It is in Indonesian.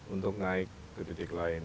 untuk naik ke titik lain